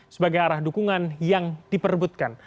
sebagai arah dukungan yang diperbutkan